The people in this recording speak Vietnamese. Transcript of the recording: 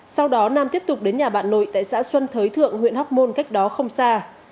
sau đó nam tiếp tục đến nhà bạn nội tại xã xuân thới thượng huyện hóc môn cách đó không xa